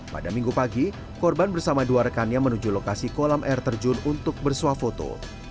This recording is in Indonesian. pada minggu pagi korban bersama dua rekannya menuju lokasi kolam air terjun untuk bersuah foto